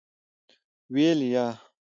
ویل : یا .